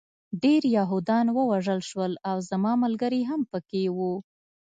ډېر یهودان ووژل شول او زما ملګري هم پکې وو